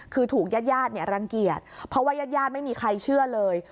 คือถูกญาติญาติรังเกียจเพราะว่าญาติญาติไม่มีใครเชื่อเลย